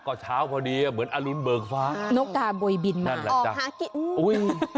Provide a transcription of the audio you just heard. ก่อนเช้าพอดีอะเหมือนอรุณเบิกฟ้านกกาบรวยบินมานั่นแหละจ้ะอุ้ย